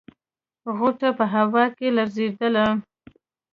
غوټه په هوا کې لړزېدله.